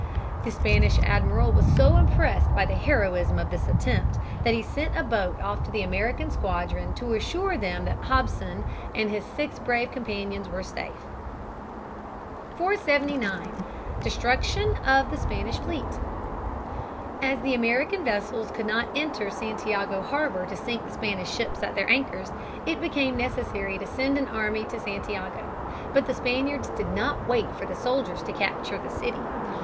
The Spanish admiral was so impressed by the heroism of this attempt that he sent a boat off to the American squadron to assure them that Hobson and his six brave companions were safe. [Sidenote: Destruction of the Spanish Fleet.] [Sidenote: Lessons of the victory.] 479. Destruction of the Spanish Fleet. As the American vessels could not enter Santiago harbor to sink the Spanish ships at their anchors, it became necessary to send an army to Santiago. But the Spaniards did not wait for the soldiers to capture the city.